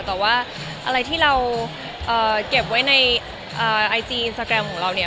แต่ว่าอะไรที่เราเก็บไว้ในไอจีสตาแกรมของเราเนี่ย